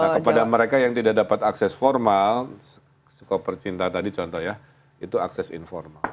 nah kepada mereka yang tidak dapat akses formal skopercinta tadi contoh ya itu akses informal